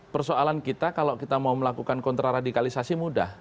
persoalan kita kalau kita mau melakukan kontraradikalisasi mudah